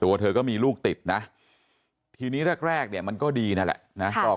ตัวเธอก็มีลูกติดนะทีนี้แรกเนี่ยมันก็ดีนั่นแหละนะ